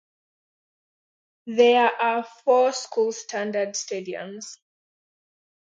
There are four school-standard stadiums.